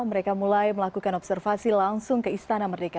mereka mulai melakukan observasi langsung ke istana merdeka